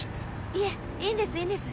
いえいいんですいいんです。